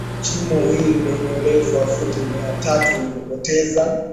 shimo hili lenye urefu wa futi miatatu lilipoteza